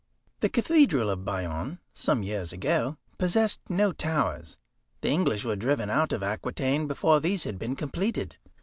The cathedral of Bayonne, some years ago, possessed no towers the English were driven out of Aquitaine before these had been completed.